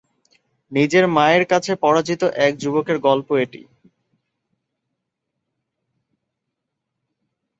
নিজের মায়ের কাছে পরাজিত এক যুবকের গল্প এটি।